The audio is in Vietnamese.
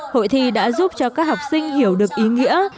hội thi đã giúp cho các học sinh hiểu được ý nghĩa